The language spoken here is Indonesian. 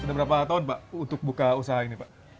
sudah berapa tahun pak untuk buka usaha ini pak